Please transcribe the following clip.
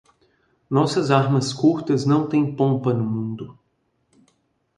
Nossas armas curtas não têm pompa no mundo.